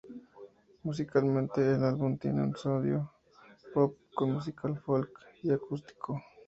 Musicalmente, el álbum tiene un sonido pop con música folk y acústico.